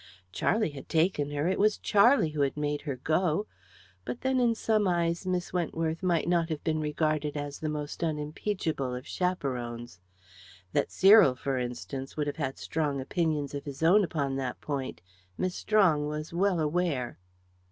Charlie had taken her; it was Charlie who had made her go but then, in some eyes, Miss Wentworth might not have been regarded as the most unimpeachable of chaperons. That Cyril, for instance, would have had strong opinions of his own upon that point, Miss Strong was well aware.